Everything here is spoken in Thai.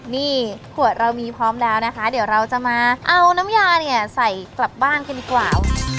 นี่ขวดเรามีพร้อมแล้วนะคะเดี๋ยวเราจะมาเอาน้ำยาเนี่ยใส่กลับบ้านกันดีกว่า